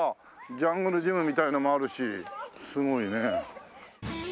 ジャングルジムみたいのもあるしすごいね。